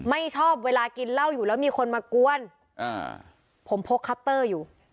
ไม่ชอบเวลากินเหล้าอยู่แล้วมีคนมากวนอ่าผมพกคัตเตอร์อยู่